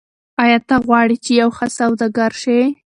آیا ته غواړې چې یو ښه سوداګر شې؟